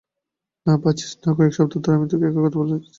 না পাচ্ছিস না, কয়েক সপ্তাহ ধরে আমি তোকে একই কথা বলে যাচ্ছি।